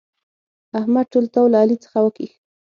احمد ټول تاو له علي څخه وکيښ.